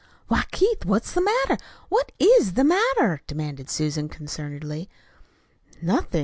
"Why, Keith, what's the matter? What IS the matter?" demanded Susan concernedly. "Nothing.